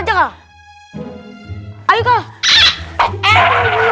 atau kita laporin ustaz ustaz aja kak